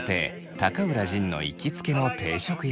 高浦仁の行きつけの定食屋。